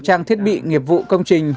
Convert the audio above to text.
trang thiết bị nghiệp vụ công trình